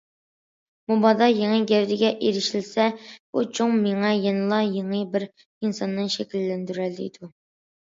مۇبادا يېڭى گەۋدىگە ئېرىشىلسە، بۇ چوڭ مېڭە يەنىلا يېڭى بىر ئىنساننى شەكىللەندۈرەلەيدۇ.